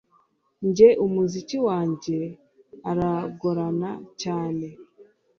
Njye umuziki wanjye aragorana cyane